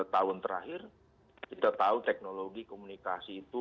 dua puluh dua puluh lima tahun terakhir kita tahu teknologi komunikasi itu